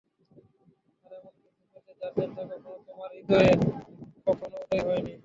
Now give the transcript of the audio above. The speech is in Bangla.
আর এমন কিছু পেতে, যার চিন্তা কখনো তোমার হৃদয়ে কখনো উদয় হয়নি।